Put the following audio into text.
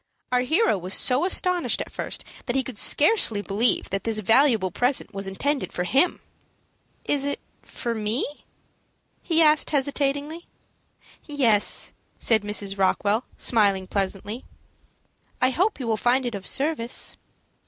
Our hero was so astonished at first that he could scarcely believe that this valuable present was intended for him. "Is it for me?" he asked, hesitatingly. "Yes," said Mrs. Rockwell, smiling pleasantly. "I hope you will find it of service."